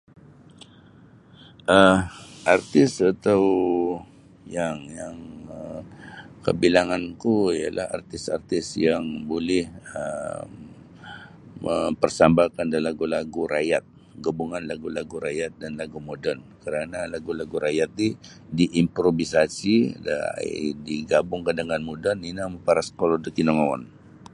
um artis atau yang yang um kabilanganku ialah artis-artis yang buli um mempersembahkan da lagu-lagu rakyat gabungan lag-lagu rakyat dan lagu moden karana lagu-lagu rakyat ti diimprovisasi da um digabungkan dengan moden ino maparas kolod da kinongouon.